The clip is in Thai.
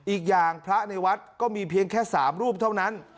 อีกอย่างพระในวัดก็มีเพียงแค่๓รูปเท่านั้น